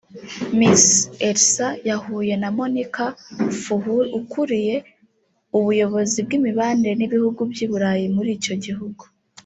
Miss Elsa yahuye na Monika Fuhr ukuriye ubuyobozi bw’imibanire n’ibihugu by’i Burayi muri icyo gihugu